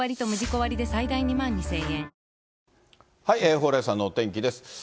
蓬莱さんのお天気です。